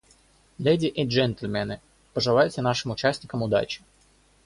Леди и джентльмены, пожелайте нашим участникам удачи!